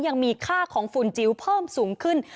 ยังมีค่าของฝุ่นจิ๋วเพิ่มสูงขึ้น